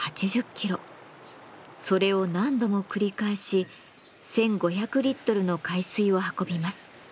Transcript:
それを何度も繰り返し１，５００リットルの海水を運びます。